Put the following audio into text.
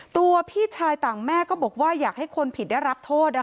ตัวพี่ชายต่างแม่ก็บอกว่าอยากให้คนผิดได้รับโทษ